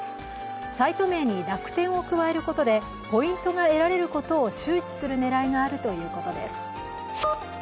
サイト名に楽天を加えることでポイントが得られることを周知する狙いがあるということです。